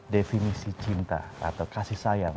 definisi cinta atau kasih sayang